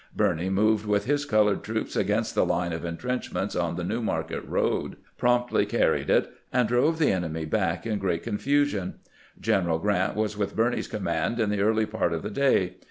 Birney moved with his colored troops against the line of intrenchments on the New Market road, promptly car ried it, and drove the enemy back in great confusion. General Grant was with Birney's command in the early part of the day.